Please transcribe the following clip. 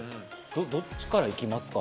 どっちから行きますか？